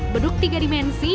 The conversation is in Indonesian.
beduk tiga dimensi